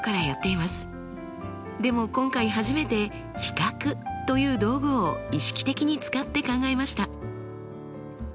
でも今回初めて比較という道具を意識的に使って考えました。